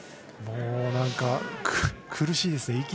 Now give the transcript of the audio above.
もうなんか苦しいですね。